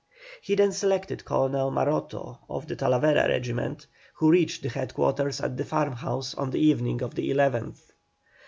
He then selected Colonel Maroto of the Talavera regiment, who reached the headquarters at the farmhouse on the evening of the 11th.